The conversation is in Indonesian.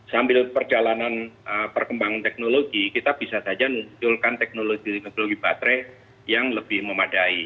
sambil perjalanan perkembangan teknologi kita bisa saja munculkan teknologi teknologi baterai yang lebih memadai